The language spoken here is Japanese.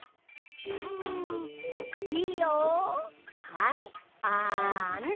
はいあん。